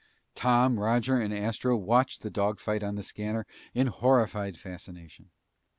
Tom, Roger, and Astro watched the dogfight on the scanner in horrified fascination.